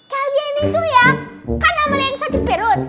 kalgen itu ya kan amal yang sakit perut